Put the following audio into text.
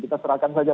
kita serahkan saja